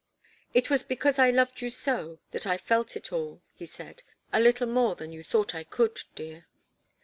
"It was because I loved you so, that I felt it all," he said. "A little more than you thought I could dear."